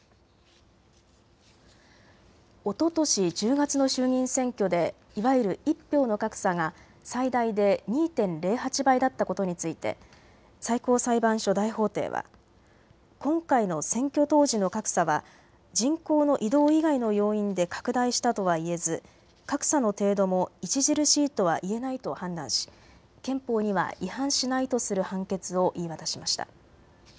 おととし１０月の衆議院選挙でいわゆる１票の格差が最大で２．０８倍だったことについて最高裁判所大法廷は今回の選挙当時の格差は人口の異動以外の要因で拡大したとはいえず格差の程度も著しいとはいえないと判断し憲法には違反しないとする判決を言い渡しました。